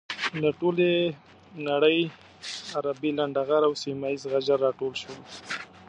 له ټولې نړۍ عربي لنډه غر او سيمه یيز غجر راټول شول.